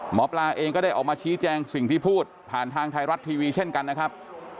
หมอปลาเองก็ได้ออกมาชี้แจงสิ่งที่พูดผ่านทางไทยรัฐทีวีเช่นกันนะครับ